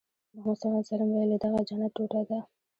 محمد ص ویلي دغه د جنت ټوټه ده.